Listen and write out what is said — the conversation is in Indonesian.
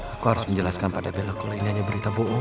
aku harus menjelaskan pada belaku ini hanya berita bohong